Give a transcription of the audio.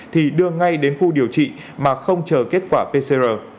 thì đưa ngay đến khu điều trị mà không chờ kết quả pcr